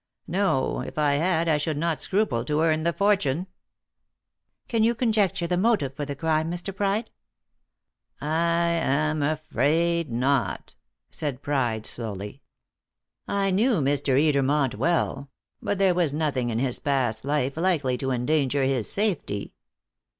"No. If I had, I should not scruple to earn the fortune." "Can you conjecture the motive for the crime, Mr. Pride?" "I am afraid not," said Pride slowly. "I knew Mr. Edermont well; but there was nothing in his past life likely to endanger his safety."